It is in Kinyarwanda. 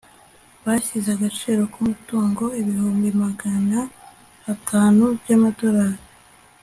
bashyize agaciro k'umutungo ibihumbi magana atatu by'amadolari